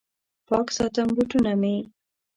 پاک ساتم بوټونه مې